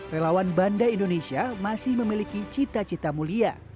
relawan banda indonesia masih memiliki cita cita mulia